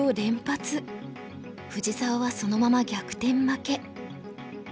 藤沢はそのまま逆転負け。